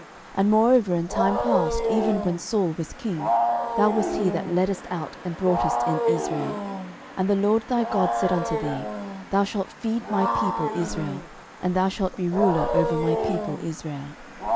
13:011:002 And moreover in time past, even when Saul was king, thou wast he that leddest out and broughtest in Israel: and the LORD thy God said unto thee, Thou shalt feed my people Israel, and thou shalt be ruler over my people Israel.